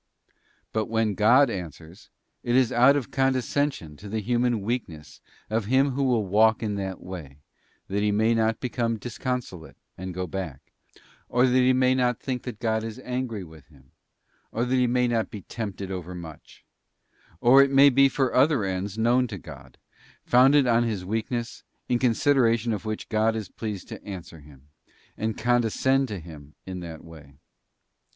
But when God answers, it is out of condescension to the human weakness of him who will walk in that way, that he may not become disconsolate, and go back; or that he may not think that God is angry with him, or that he may not be tempted overmuch; or it may be for other ends known to God, founded on his weak ness, in consideration of which God is pleased to answer him, and condescend to him in that way.